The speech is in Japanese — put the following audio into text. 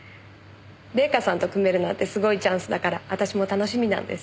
礼夏さんと組めるなんてすごいチャンスだから私も楽しみなんです。